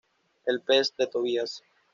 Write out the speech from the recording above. El pez de Tobías